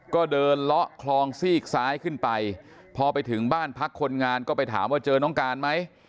ก็เดินเลาะคลองซีกซ้ายขึ้นไปพอไปถึงบ้านพักคนงานก็ไปถามว่าเจอน้องการไหม